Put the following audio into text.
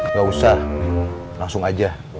nggak usah langsung aja